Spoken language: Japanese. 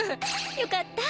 よかった。